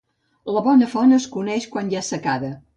La bona font es coneix quan hi ha secada.